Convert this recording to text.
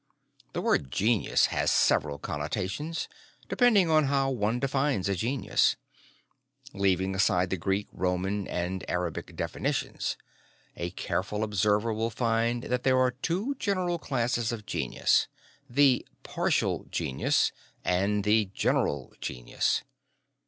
The word "genius" has several connotations, depending on how one defines a genius. Leaving aside the Greek, Roman and Arabic definitions, a careful observer will find that there are two general classes of genius: the "partial" genius, and the "general" genius.